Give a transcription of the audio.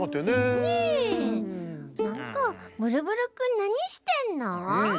なんかブルブルくんなにしてんの？